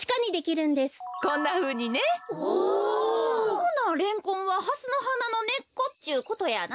ほなレンコンはハスのはなのねっこっちゅうことやな？